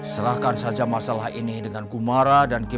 serahkan saja masalah ini dengan kumara dan kimau